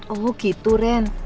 oh gitu ren